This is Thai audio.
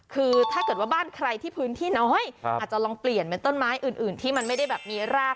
คือถ้าเกิดว่าบ้านใครที่พื้นที่น้อยอาจจะลองเปลี่ยนเป็นต้นไม้อื่นที่มันไม่ได้แบบมีราก